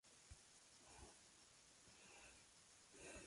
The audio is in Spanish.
Claus von Stauffenberg se reunía con ella y su jefe a menudo.